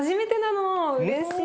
うれしい。